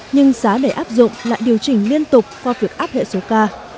nhưng giá để áp dụng lại điều chỉnh liên tục qua việc áp hệ số k